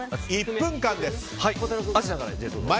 １分間です。